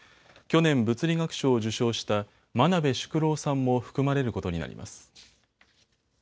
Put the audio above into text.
去年、物理学賞を受賞した真鍋淑郎さんも含まれることになります。